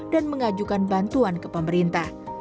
dan mengajukan bantuan ke pemerintah